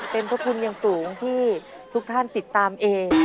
เป็นพระคุณอย่างสูงที่ทุกท่านติดตามเอง